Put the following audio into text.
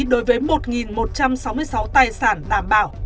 đối với một một trăm sáu mươi sáu tài sản đảm bảo